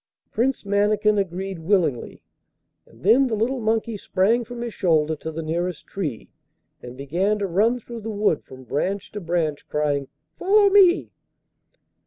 Prince Mannikin agreed willingly, and then the little monkey sprang from his shoulder to the nearest tree, and began to run through the wood from branch to branch, crying, 'Follow me.